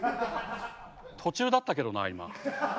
途中だったけどな今。